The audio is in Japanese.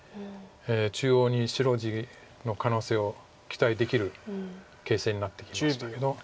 中央に白地の可能性を期待できる形勢になってきましたけど。